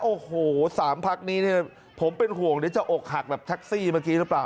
โอ้โหสามพรรคนี้เนี่ยผมเป็นห่วงจะออกหักแบบทักซี่เมื่อกี้หรือเปล่า